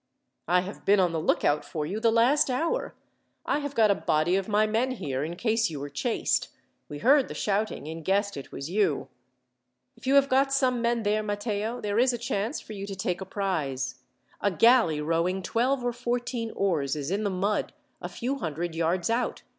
"I have been on the lookout for you the last hour. I have got a body of my men here, in case you were chased. We heard the shouting and guessed it was you." "If you have got some men there, Matteo, there is a chance for you to take a prize. A galley rowing twelve or fourteen oars is in the mud, a few hundred yards out.